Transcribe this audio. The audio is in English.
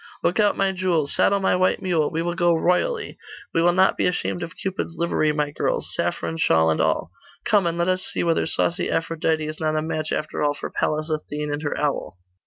Lookout my jewels! Saddle my white mule! We will go royally. We will not be ashamed of Cupid's livery, my girls saffron shawl and all! Come, and let us see whether saucy Aphrodite is not a match after all for Pallas Athene and her owl!